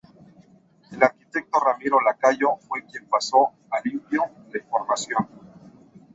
El arquitecto Ramiro Lacayo fue quien ""pasó a limpio"" la información.